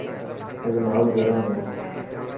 اڄ ماحول گرم هي.